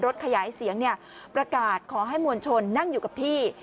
เสียงประกาศขอให้มวลชนนั่งอยู่กับที่